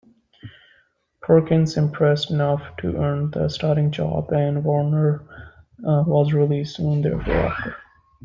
Perkins impressed enough to earn the starting job, and Warren was released soon thereafter.